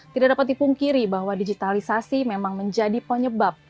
tidak dapat dipungkiri bahwa digitalisasi memang menjadi penyebab